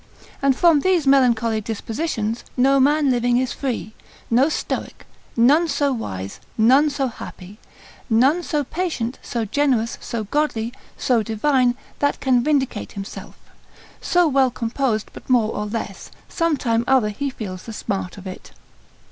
And from these melancholy dispositions, no man living is free, no stoic, none so wise, none so happy, none so patient, so generous, so godly, so divine, that can vindicate himself; so well composed, but more or less, some time or other he feels the smart of it.